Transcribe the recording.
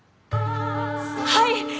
はい！